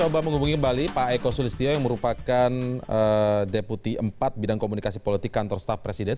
saya coba menghubungi balik pak eko sulistyo yang merupakan deputi empat bidang komunikasi politik kantor staf kepresidenan